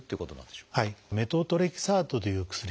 メトトレキサートという薬。